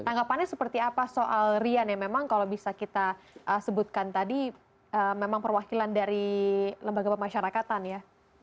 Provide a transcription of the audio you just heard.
tanggapannya seperti apa soal rian ya memang kalau bisa kita sebutkan tadi memang perwakilan dari lembaga pemasyarakatan ya